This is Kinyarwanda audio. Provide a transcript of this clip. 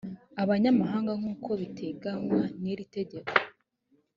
abanyamahanga nk uko biteganywa n iritegeko